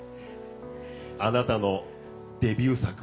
あなたのデビュー作